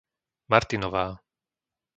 Martinová